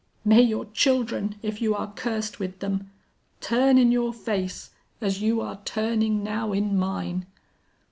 May your children, if you are cursed with them, turn in your face, as you are turning now in mine!